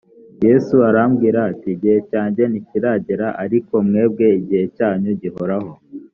yesu arababwira ati” igihe cyanjye ntikiragera ariko mwebwe igihe cyanyu gihoraho.